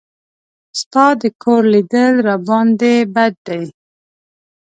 ستا د کور لیدل راباندې بد دي.